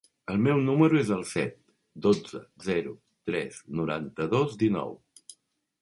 El meu número es el set, dotze, zero, tres, noranta-dos, dinou.